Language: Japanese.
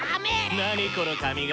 何この髪型？